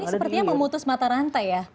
jadi ini sepertinya memutus mata rantai ya